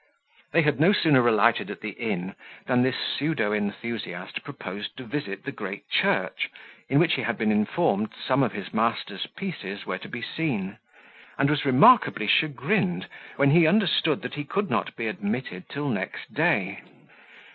They had no sooner alighted at the inn, than this pseudo enthusiast proposed to visit the great church, in which he had been informed some of his master's pieces were to be seen, and was remarkably chagrined, when he understood that he could not be admitted till next day.